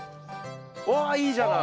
わいいじゃない。